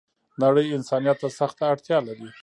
نړۍ انسانيت ته سخته اړتیا لری